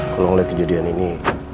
kalau ngeliat kejadian ini